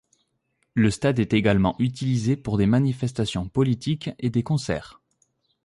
Le stade est également utilisé pour des manifestations politiques et des concerts.